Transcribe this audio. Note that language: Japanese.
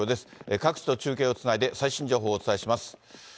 各地と中継をつないで、最新情報をお伝えします。